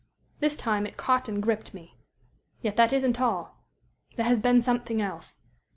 This time it caught and gripped me. Yet that isn't all. There has been something else.